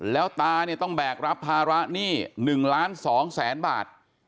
แล้วตาเนี่ยต้องแบกรับภาระหนี้๑ล้าน๒แสนบาท